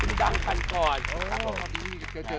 คุณดังคันก่อนครับครับพอดีเคยเจอกันแล้วนี่นะ